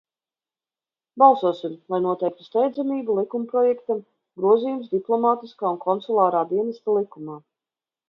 "Balsosim, lai noteiktu steidzamību likumprojektam "Grozījums Diplomātiskā un konsulārā dienesta likumā"!"